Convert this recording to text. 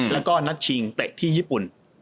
แล้วก็นัดชิงเตะที่ญี่ปุ่น